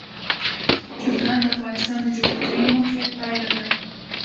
چرګان د افغانستان د جغرافیایي موقیعت پایله ده.